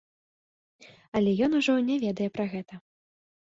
Але ён ужо не ведае пра гэта.